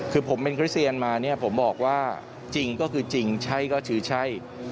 คือผมเป็นคริสเซียนมาเนี่ยผมบอกว่าจริงก็คือจริงใช่ก็คือใช่